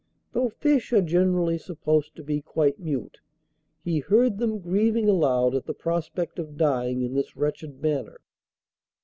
Though fish are generally supposed to be quite mute, he heard them grieving aloud at the prospect of dying in this wretched manner.